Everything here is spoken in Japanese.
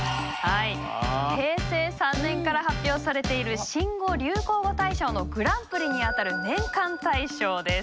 平成３年から発表されている新語・流行語大賞のグランプリにあたる年間大賞です。